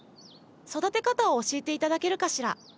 育て方を教えて頂けるかしら？